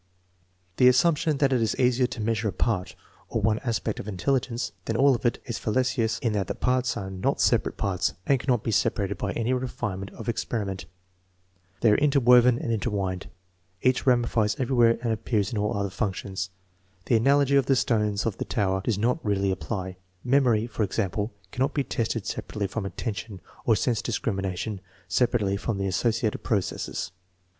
The assumption that it is easier to measure a part, or one aspect, of intelligence than all of it, is fallacious in that the parts are not separate parts and cannot be separated by any refinement of experiment. They are interwoven and intertwined. Each ramifies everywhere and appears in all other functions. The analogy of the stones of the tower does not really apply. Memory, for example, cannot be tested separately from attention, or sense discrimination sepa rately from the associative processes.